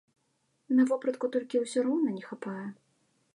На вопратку толькі ўсё роўна не хапае.